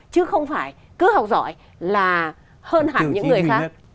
chứ không phải cứ học giỏi là hơn hẳn những người khác